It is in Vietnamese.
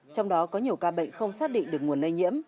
trong đó có nhiều ca bệnh không xác định được nguồn lây nhiễm